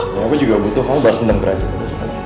ya aku juga butuh kamu bahas tentang perancangan